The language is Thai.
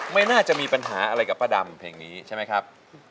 ไม่น่าจะมีปัญหาอะไรกับป้าดำเพลงนี้ใช่ไหมครับ